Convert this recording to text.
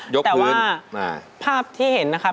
แต่ว่าภาพที่เห็นนะครับ